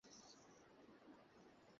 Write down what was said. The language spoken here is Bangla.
অবশেষে তাহারা যাইবার জন্য প্রস্তুত হইল।